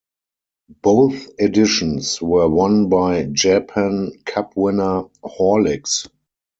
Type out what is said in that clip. Both editions were won by Japan Cup winner Horlicks.